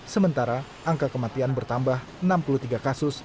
sementara angka kematian bertambah enam puluh tiga kasus